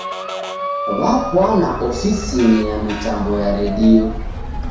W'apwana ofisinyi ya mitambo ya redio.